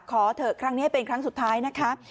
ขอเถอะครั้งนี้ให้เป็นครั้งสุดท้ายนะคะ